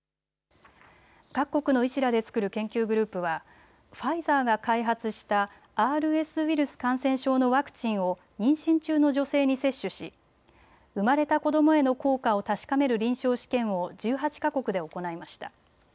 各国の医師らで作る研究グループはファイザーが開発したＲＳウイルス感染症のワクチンを妊娠中の女性に接種し生まれた子どもへの効果を確かめる臨床試験を１８か国で行いました。